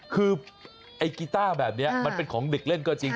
คือไอ้กีต้าแบบนี้มันเป็นของเด็กเล่นก็จริง